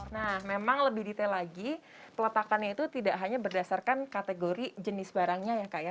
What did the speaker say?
nah memang lebih detail lagi peletakannya itu tidak hanya berdasarkan kategori jenis barangnya ya kak ya